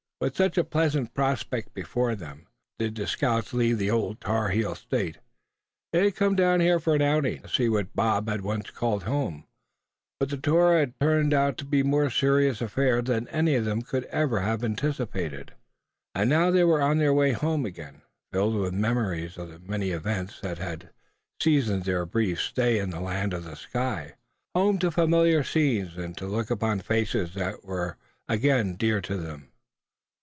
With such a pleasant prospect before them, did the scouts leave the Old Tar heel State. They had come down here for an outing, and to see what Bob had once called his home; but the tour had turned out to be a more serious affair than any of them could ever have anticipated. And now they were on the way home again, filled with memories of the many events that had seasoned their brief stay in the Land of the Sky; home to familiar scenes and to look upon faces that were dear to them.